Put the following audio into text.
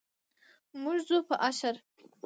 موږ ځو په اشر.